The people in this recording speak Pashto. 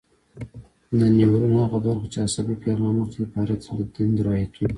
د نیورون هغه برخه چې عصبي پیغام اخلي عبارت دی له دندرایتونو.